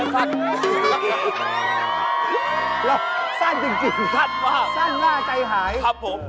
สั้นจริงสั้นว่าสั้นหน้าใจหายครับผม